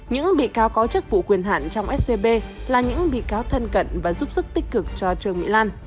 những bị cáo có chức vụ quyền hạn trong scb là những bị cáo thân cận và giúp sức tích cực cho trương mỹ lan